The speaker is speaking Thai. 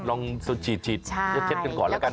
ลองฉีดแล้วเคล็ดกันก่อนแล้วกันเนอะ